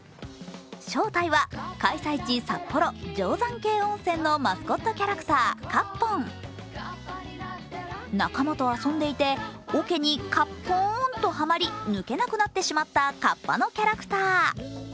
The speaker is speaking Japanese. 正体は開催地札幌・定山渓温泉のマスコットキャラクター、かっぽん仲間と遊んでいて、かっぽんとはまり、抜けなくなってしまったかっぱのキャラクター。